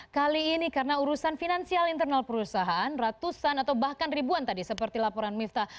kali ini karena urusan finansial internal perusahaan ratusan atau bahkan ribuan tadi seperti laporan miftah